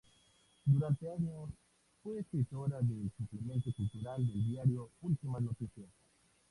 Durante años fue escritora del Suplemento Cultural del diario Últimas Noticias.